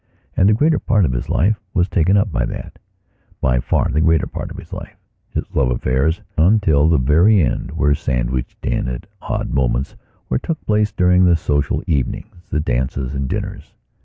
And the greater part of his life was taken up by thatby far the greater part of his life. His love affairs, until the very end, were sandwiched in at odd moments or took place during the social evenings, the dances and dinners.